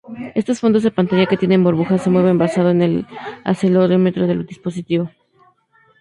Estos fondos de pantalla que tienen burbujas, se mueven basado en el acelerómetro del dispositivo.